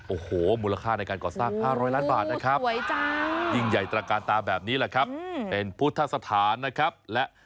โอ้โหมูลค่าในการก่อสร้าง๕๐๐ล้านบาทนะครับโอ้โหสวยจัง